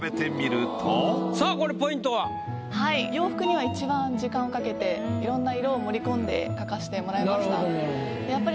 洋服にはいちばん時間をかけていろんな色を盛り込んで描かしてもらいました。